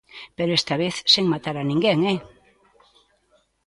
_Pero esta vez sen matar a ninguén, ¿eh?